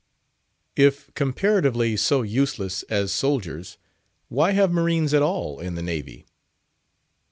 If comparatively so useless as soldiers, why have marines at all in the Navy?